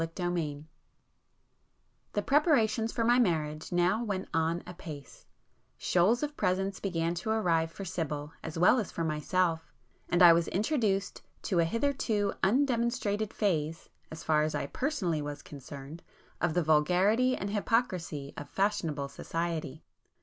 [p 243]XXI The preparations for my marriage now went on apace,—shoals of presents began to arrive for Sibyl as well as for myself, and I was introduced to an hitherto undemonstrated phase (as far as I personally was concerned) of the vulgarity and hypocrisy of fashionable society.